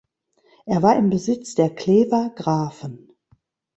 Er war im Besitz der Klever Grafen.